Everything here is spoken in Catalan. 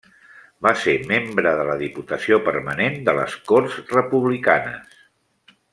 Va ser membre de la Diputació Permanent de les Corts republicanes.